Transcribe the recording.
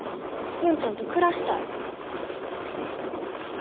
文ちゃんと暮らしたい。